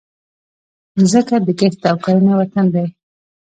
مځکه د کښت او کرنې وطن دی.